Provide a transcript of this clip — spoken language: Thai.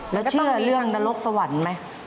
แล้วก็เชื่อเรื่องนรกสวรรค์ไหม